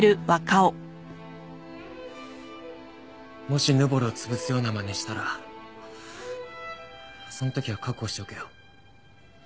もしヌボルを潰すようなまねしたらその時は覚悟しておけよ。